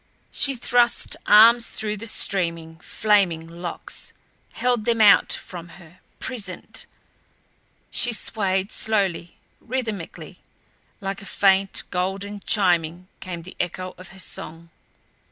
She thrust arms through the streaming, flaming locks; held them out from her, prisoned. She swayed slowly, rhythmically; like a faint, golden chiming came the echo of her song.